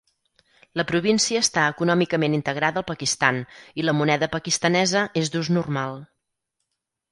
La província està econòmicament integrada al Pakistan, i la moneda pakistanesa és d'ús normal.